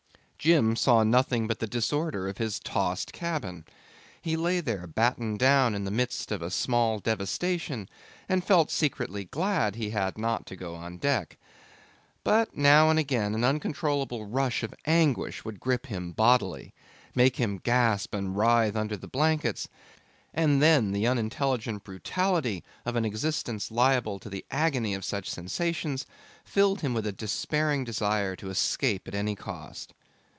Jim saw nothing but the disorder of his tossed cabin. He lay there battened down in the midst of a small devastation, and felt secretly glad he had not to go on deck. But now and again an uncontrollable rush of anguish would grip him bodily, make him gasp and writhe under the blankets, and then the unintelligent brutality of an existence liable to the agony of such sensations filled him with a despairing desire to escape at any cost.